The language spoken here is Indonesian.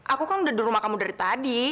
aku kan udah di rumah kamu dari tadi